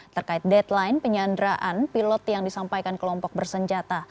terkait deadline penyanderaan pilot yang disampaikan kelompok bersenjata